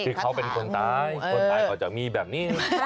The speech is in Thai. ที่เขาเป็นคนตายคนตายเขาจะมีแบบนี้